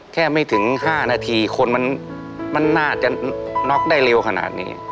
ไม่ถึง๕นาทีคนมันน่าจะน็อกได้เร็วขนาดนี้